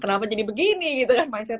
kenapa jadi begini gitu kan mindset gue